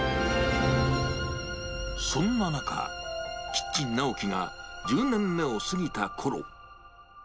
そんな中、キッチン直樹が１０年目を過ぎたころ。